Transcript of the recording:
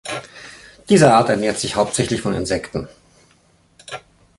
Diese Art ernährt sich hauptsächlich von Insekten.